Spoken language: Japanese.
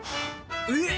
えっ！